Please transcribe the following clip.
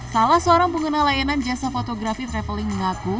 salah seorang pengenal layanan jasa fotografi traveling mengaku